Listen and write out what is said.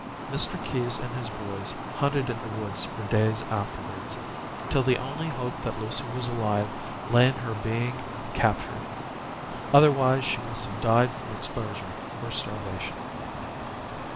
Mr. Keyes and his boys hunted in the woods for days afterwards, till the only hope that Lucy was alive lay in her being captured. Otherwise she must have died from exposure or starvation.